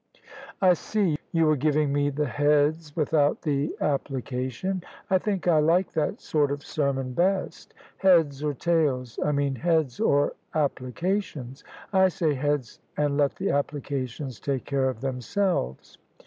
" I see. You were giving me the heads without the appli cation. I think I like that sort of sermon best. Heads or tails — I mean heads or applications? I say heads, and let the applications take care of themselves."